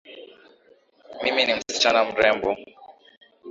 Mimi ni msichana mrembo.